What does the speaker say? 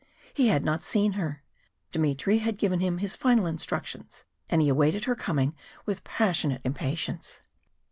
He had not seen her. Dmitry had given him his final instructions, and he awaited her coming with passionate impatience.